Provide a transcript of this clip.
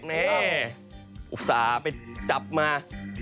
นี่อุตส่าห์ไปจับมา